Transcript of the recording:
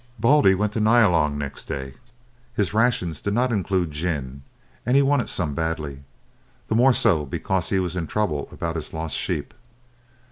Baldy went to Nyalong next day. His rations did not include gin, and he wanted some badly, the more so because he was in trouble about his lost sheep.